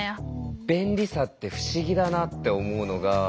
便利さって不思議だなって思うのがああ。